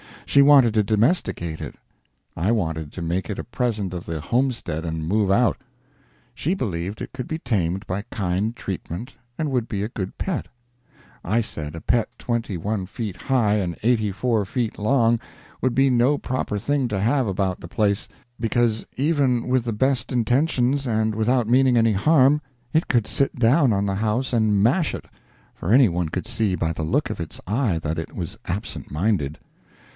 She wanted to domesticate it, I wanted to make it a present of the homestead and move out. She believed it could be tamed by kind treatment and would be a good pet; I said a pet twenty one feet high and eighty four feet long would be no proper thing to have about the place, because, even with the best intentions and without meaning any harm, it could sit down on the house and mash it, for any one could see by the look of its eye that it was absent minded.